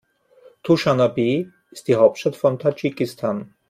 Duschanbe ist die Hauptstadt von Tadschikistan.